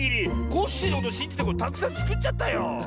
コッシーのことしんじてたくさんつくっちゃったよ。